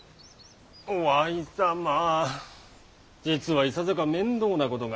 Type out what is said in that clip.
於愛様実はいささか面倒なことが。